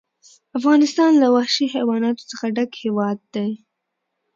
افغانستان له وحشي حیواناتو څخه ډک هېواد دی.